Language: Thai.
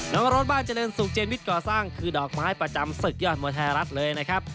วรสบ้านเจริญสุขเจนวิทย์ก่อสร้างคือดอกไม้ประจำศึกยอดมวยไทยรัฐเลยนะครับ